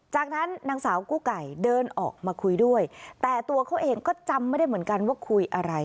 จากนั้นนางสาวกู้ไก่เดินออกมาคุยด้วยแต่ตัวเขาเองก็จำไม่ได้เหมือนกันว่าคุยอะไร